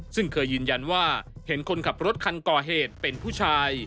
ซึ่งเคยยืนยันว่าเห็นคนขับรถคันก่อเหตุเป็นผู้ชาย